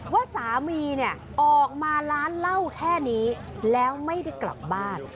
ว่าสามีเนี่ยออกมาร้านเหล้าแค่นี้แล้วไม่ได้กลับบ้าน